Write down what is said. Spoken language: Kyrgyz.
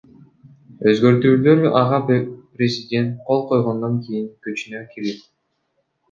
Өзгөртүүлөр ага президент кол койгондон кийин күчүнө кирет.